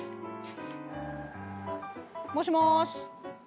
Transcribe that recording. もしもーし。